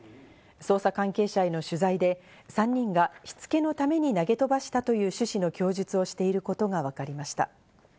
捜査関係者への取材で３人がしつけのために投げ飛ばしたという趣旨の供述をしていることがわかりました。